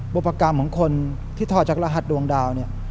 บุปกรรมของคนที่ถอดจากรหัสดวงดาวเนี่ย